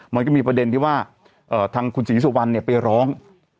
มันก็มีประเด็นที่ว่าทางคุณศรีสุวรรณไปร้อง